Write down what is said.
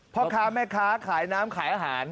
พ่อค้าแม่ค้าขายน้ำขายอาหาร